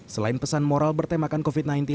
selain pesan moral bertemakan covid sembilan belas